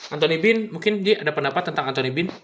anthony bean mungkin ada pendapat tentang anthony bean